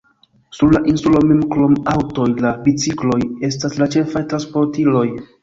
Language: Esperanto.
Sur la insulo mem krom aŭtoj la bicikloj estas la ĉefaj transportiloj.